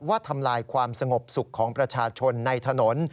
ทำลายความสงบสุขของประชาชนในถนน